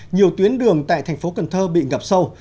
nhiều tuyến đường tại thành phố cần thơ bị ngập sâu